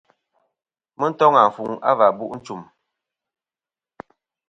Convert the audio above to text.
Mɨ toŋ àfuŋ a v̀ bu' nchum.